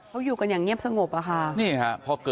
เขาอยู่กันอย่างเงียบสงบอะค่ะ